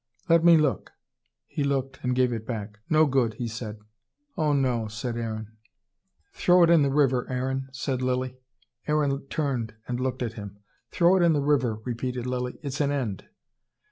"Let me look." He looked, and gave it back. "No good," he said. "Oh, no," said Aaron. "Throw it in the river, Aaron," said Lilly. Aaron turned and looked at him. "Throw it in the river," repeated Lilly. "It's an end."